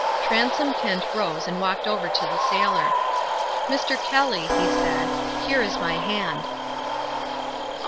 Transome Kent rose and walked over to the sailor. "Mr. Kelly," he said, "here is my hand."